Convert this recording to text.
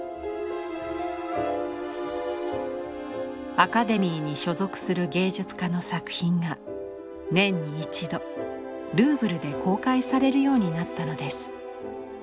アカデミーに所属する芸術家の作品が年に一度ルーブルで公開されるようになったのです。